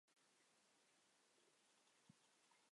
后授刑科都给事中。